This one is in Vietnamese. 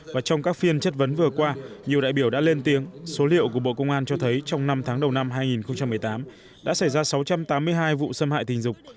và trong các phiên chất vấn vừa qua nhiều đại biểu đã lên tiếng số liệu của bộ công an cho thấy trong năm tháng đầu năm hai nghìn một mươi tám đã xảy ra sáu trăm tám mươi hai vụ xâm hại tình dục